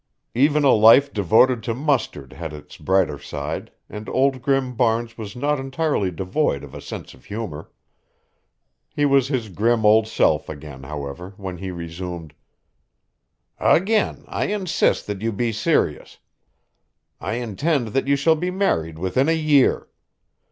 Even a life devoted to mustard has its brighter side and Old Grim Barnes was not entirely devoid of a sense of humor. He was his grim old self again, however, when he resumed: "Again I insist that you be serious. I intend that you shall be married within a year.